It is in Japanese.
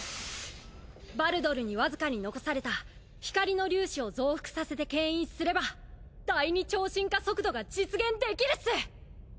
ヴァルドルにわずかに残された光の粒子を増幅させてけん引すれば第２超進化速度が実現できるっす！